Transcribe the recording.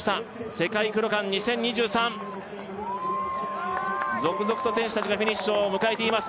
世界クロカン２０２３続々と選手達がフィニッシュを迎えています